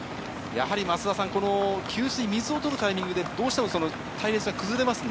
増田さん、水を取るタイミングでどうしても隊列は崩れます。